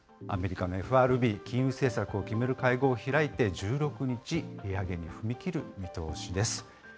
アメリカのＦＲＢ、金融政策を決める会合を開いて、１６日、利上げに踏み切る見通しです。